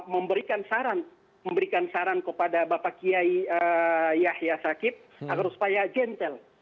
memberikan saran kepada bapak yahya sakib agar supaya gentel